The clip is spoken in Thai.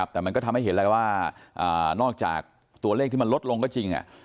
แต่มันก็ทำให้เห็นแล้วว่านอกจากตัวเลขที่มันลดลงก็จริง